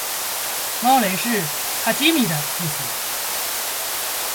猫雷是哈基米的意思